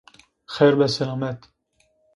Xeyr bi selamet